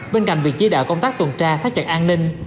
bên cạnh việc giới đạo công tác tuần tra thác chặt an ninh